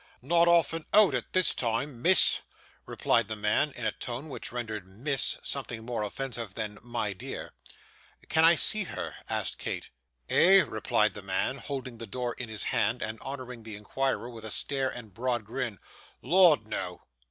'Not often out at this time, miss,' replied the man in a tone which rendered "Miss," something more offensive than "My dear." 'Can I see her?' asked Kate. 'Eh?' replied the man, holding the door in his hand, and honouring the inquirer with a stare and a broad grin, 'Lord, no.